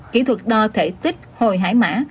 kỹ thuật đo thể tích hồi hải mã